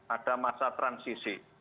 ada masa transisi